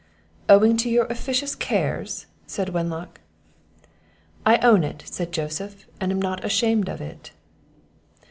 "Owing to your officious cares?" said Wenlock. "I own it," said Joseph, "and I am not ashamed of it."